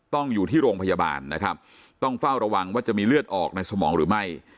ต้องอยู่ที่โรงพยาบาลนะครับต้องเฝ้าระวังว่าจะมีเลือดออกในสมองหรือไม่